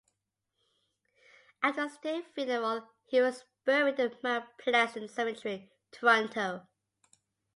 After a state funeral, he was buried in Mount Pleasant Cemetery, Toronto.